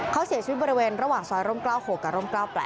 เขาเสียชีวิตบริเวณระหว่างซอยร่ม๙๖กับร่ม๙๘